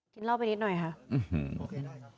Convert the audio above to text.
กินเล่าไปนิดหน่อยครับอื้อหือ